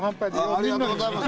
ありがとうございます。